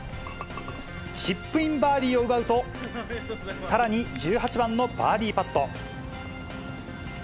チップインバーディーを奪うと、さらに１８番のバーディーパット。